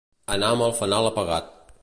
Anar amb el fanal apagat.